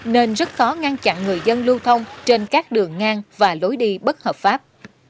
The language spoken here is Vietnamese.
nên rất khó ngăn chặn người dân lưu thông trên các đường ngang và lối đi bất hợp pháp